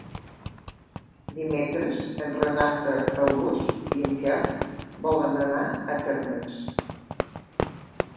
Dimecres en Renat August i en Quel volen anar a Térmens.